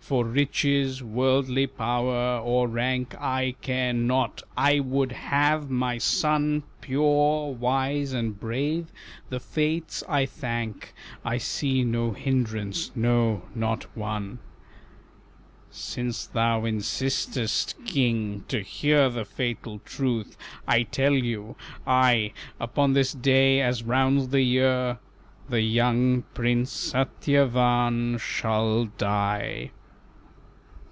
For riches, worldly power, or rank I care not, I would have my son Pure, wise, and brave, the Fates I thank I see no hindrance, no, not one." "Since thou insistest, King, to hear The fatal truth, I tell you, I, Upon this day as rounds the year The young Prince Satyavan shall die."